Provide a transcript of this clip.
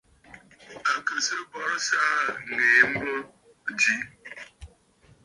À kɨ sɨ bùrə̀sə̀ aà ŋ̀ŋèə mbô mi.